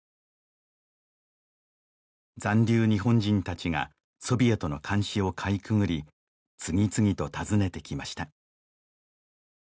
残留日本人達がソビエトの監視をかいくぐり次々と訪ねてきました